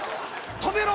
「止めろ！